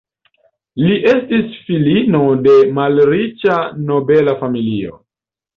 Li estis filino de malriĉa nobela familio.